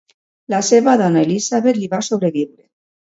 La seva dona Elizabeth li va sobreviure.